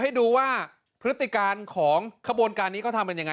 ให้ดูว่าพฤติการของขบวนการนี้เขาทำเป็นยังไง